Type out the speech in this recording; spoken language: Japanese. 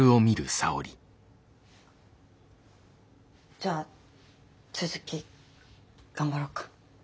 じゃあ続き頑張ろっか。